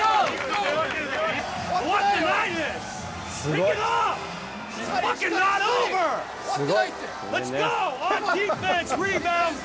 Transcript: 終わってないです。